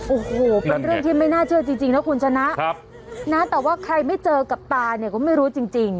โอ้โหเป็นเรื่องที่ไม่น่าเชื่อจริงนะคุณชนะนะแต่ว่าใครไม่เจอกับตาเนี่ยก็ไม่รู้จริง